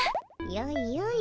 よいよい。